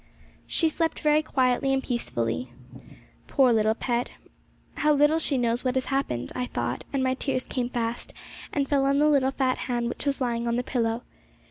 She slept very quietly and peacefully. Poor little pet! how little she knows what has happened, I thought; and my tears came fast, and fell on the little fat hand which was lying on the pillow.